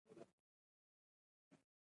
لعل د افغانستان د فرهنګي فستیوالونو برخه ده.